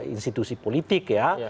institusi politik ya